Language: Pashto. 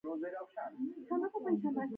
سل زره درهمه یې ورکړل.